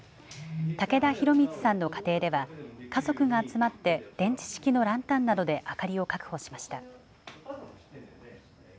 武田広充さんの家庭では、家族が集まって、電池式のランタンなどで、明かりを確保しました。